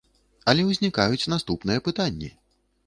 Але ўзнікаюць наступныя пытанні.